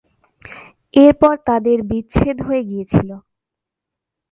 এরপর তাঁদের বিচ্ছেদ হয়ে গিয়েছিল।